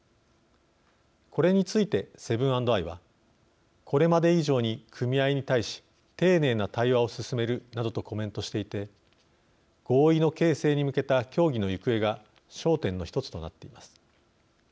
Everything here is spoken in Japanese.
これについてセブン＆アイは「これまで以上に組合に対し丁寧な対話を進める」などとコメントしていて合意の形成に向けた協議の行方が焦点の一つとなっています。